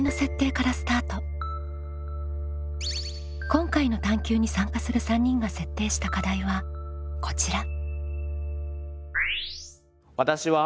今回の探究に参加する３人が設定した課題はこちら。